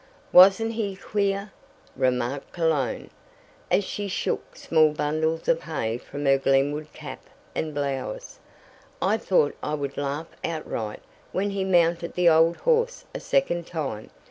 "Wasn't he queer?" remarked Cologne, as she shook small bundles of hay from her Glenwood cap and blouse. "I thought I would laugh outright when he mounted the old horse a second time.